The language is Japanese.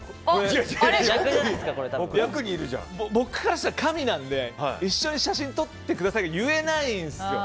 僕からしたら神なので一緒に写真撮ってくださいって言えないんですよ。